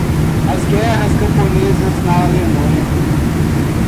As guerras camponesas na Alemanha